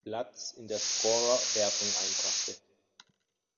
Platz in der Scorerwertung einbrachte.